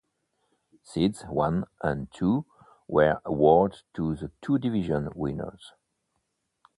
Seeds one and two were awarded to the two division winners.